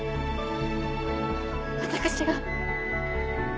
私が。